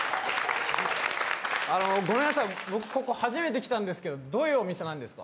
ごめんなさい、僕ここ初めて来たんですけどどういうお店なんですか？